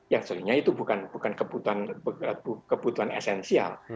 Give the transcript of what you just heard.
yang sebenarnya itu bukan kebutuhan esensial